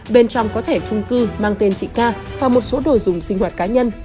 bên trong có thẻ trung cư mang tên chị ca và một số đồ dùng sinh hoạt cá nhân